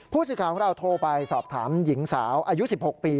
ผู้สื่อข่าวของเราโทรไปสอบถามหญิงสาวอายุ๑๖ปี